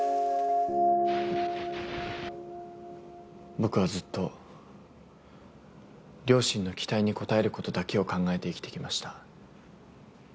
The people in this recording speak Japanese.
僕はずっと両親の期待に応えることだけを考えて生きてきました。